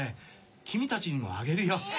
君たちにもあげるよ。